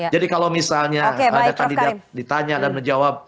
jadi kalau misalnya ada kandidat ditanya dan menjawab